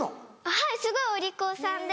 はいすごいお利口さんで。